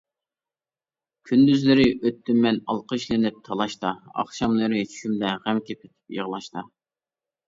كۈندۈزلىرى ئۆتتۈممەن ئالقىشلىنىپ تالاشتا، ئاخشاملىرى چۈشۈمدە غەمگە پېتىپ يىغلاشتا.